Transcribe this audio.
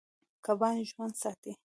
کبان ژوند ساتي.